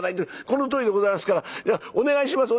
このとおりでございますからお願いします